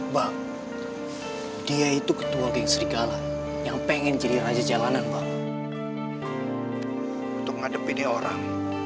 bang dia itu ketua geng serigala yang pengen jadi raja jalanan bang untuk menghadapi dia orang